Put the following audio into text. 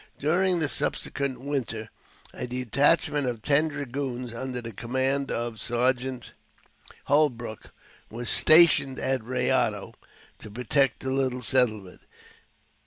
During the subsequent winter, a detachment of ten dragoons under the command of sergeant Holbrook was stationed at Rayado to protect the little settlement.